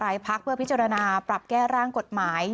รายพักเพื่อผิดจุดนาปลับแก้ร่างกฎหมาย